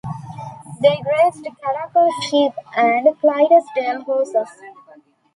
They grazed karakul sheep and Clydesdale horses.